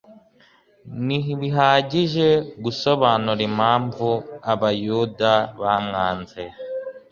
ntibihagije gusobanura impamvu abayuda bamwanze.